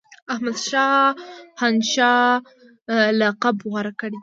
احمدشاه شاه هنشاه لقب غوره کړی دی.